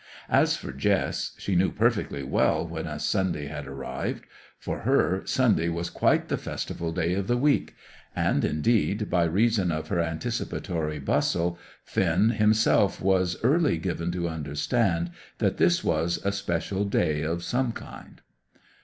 As for Jess, she knew perfectly well when a Sunday had arrived. For her, Sunday was quite the festival day of the week; and, indeed, by reason of her anticipatory bustle, Finn himself was early given to understand that this was a special day of some kind.